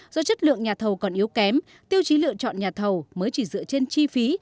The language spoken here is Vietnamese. do chất lượng nhà thầu còn yếu kém tiêu chí lựa chọn nhà thầu mới chỉ dựa trên chi phí